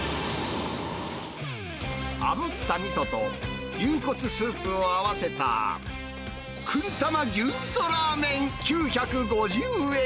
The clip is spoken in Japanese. あぶったみそと牛骨スープを合わせた、くん玉牛味噌らーめん９５０円。